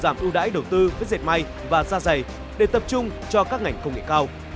giảm ưu đãi đầu tư với dệt may và da dày để tập trung cho các ngành công nghệ cao